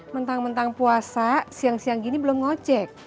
mentang mentang puasa siang siang gini belum ngocek